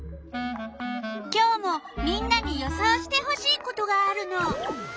今日もみんなに予想してほしいことがあるの。